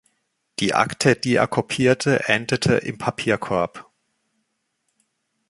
Die Akte, die er kopierte, endete im Papierkorb.